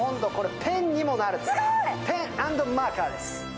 ペン＆マーカーです。